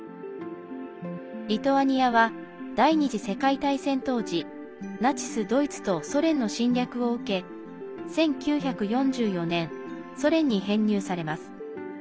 リトアニアは第２次世界大戦当時ナチス・ドイツとソ連の侵略を受け１９４４年、ソ連に編入されます。